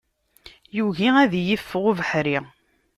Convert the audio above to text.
Yugi ad yi-iffeɣ ubeḥri.